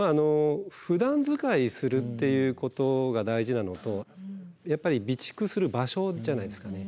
ふだん使いするっていうことが大事なのとやっぱり備蓄する場所じゃないですかね。